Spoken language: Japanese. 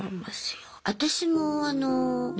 私もあの何？